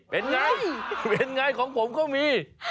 เห็นไงของผมก็มี